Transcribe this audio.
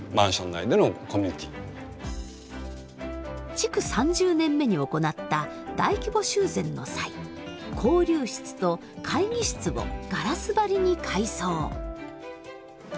築３０年目に行った大規模修繕の際交流室と会議室をガラス張りに改装。